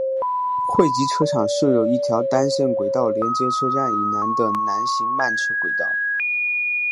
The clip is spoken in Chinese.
汇集车厂设有一条单线轨道连接车站以南的南行慢车轨道。